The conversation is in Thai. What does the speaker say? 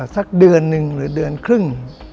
สักเดือนหนึ่งหรือเดือนครึ่ง